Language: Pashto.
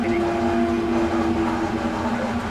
په دې ښار كي د قدرت لېوني ډېر وه.